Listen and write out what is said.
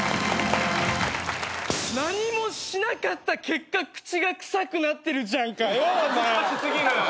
何もしなかった結果口が臭くなってるじゃんかよ。